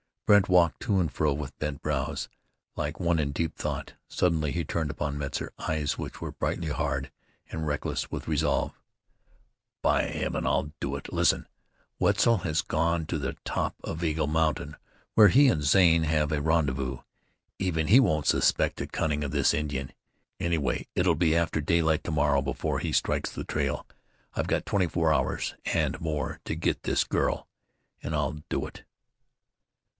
Brandt walked to and fro with bent brows, like one in deep thought. Suddenly he turned upon Metzar eyes which were brightly hard, and reckless with resolve. "By Heaven! I'll do it! Listen. Wetzel has gone to the top of Eagle Mountain, where he and Zane have a rendezvous. Even he won't suspect the cunning of this Indian; anyway it'll be after daylight to morrow before he strikes the trail. I've got twenty four hours, and more, to get this girl, and I'll do it!"